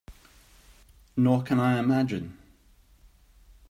Nor can I imagine.